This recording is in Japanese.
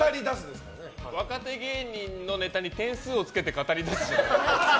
若手芸人のネタに点数をつけて語りだすじゃないですか？